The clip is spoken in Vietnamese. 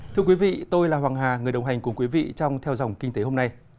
thưa quý vị tôi là hoàng hà người đồng hành cùng quý vị trong theo dòng kinh tế hôm nay